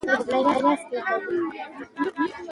که غواړې ښه یاد سې، د نور بد مه یاد وه.